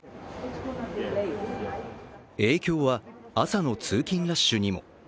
影響は朝の通勤ラッシュにも。